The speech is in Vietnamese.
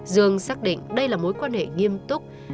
dương xác định đây là mối quan hệ nghiêm túc